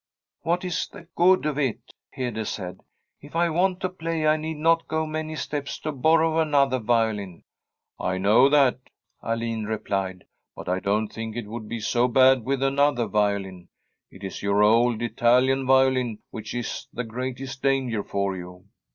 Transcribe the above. ' What is the good of it? ' Hede said. ' If I want to play, I need not go many steps to borrow another violin.' ' I know that,' Alin replied, ' but I don't think it would be so bad with another violin. It is your old Italian violin which is the greatest dan ger for you.